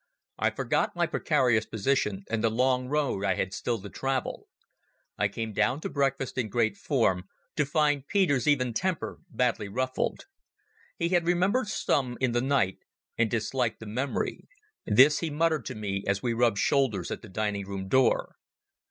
I forgot my precarious position and the long road I had still to travel. I came down to breakfast in great form, to find Peter's even temper badly ruffled. He had remembered Stumm in the night and disliked the memory; this he muttered to me as we rubbed shoulders at the dining room door.